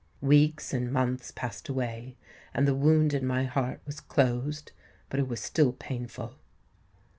Weeks and months passed away; and the wound in my heart was closed, but it was still painful.